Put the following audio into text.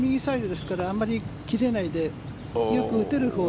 これは右サイドですからあまり切れないでよく打てるほうに。